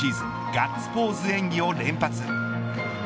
ガッツポーズ演技を連発。